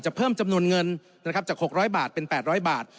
เพิ่มจำนวนเงินนะครับจาก๖๐๐บาทเป็น๘๐๐บาท